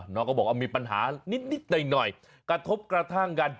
ก็บอกว่ามีปัญหานิดหน่อยกระทบกระทั่งกัน